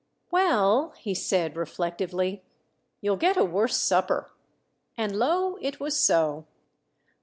"Well," he said reflectively, "you'll get a worse supper!" And lo, it was so.